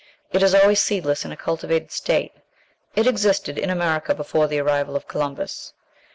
It is always seedless in a cultivated state. It existed in America before the arrival of Columbus.